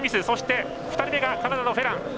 そして２人目がカナダのフェラン。